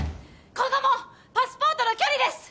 今後もパスポートの距離です！